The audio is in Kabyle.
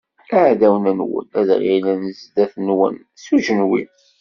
Iɛdawen-nwen ad ɣellin zdat-nwen s ujenwi.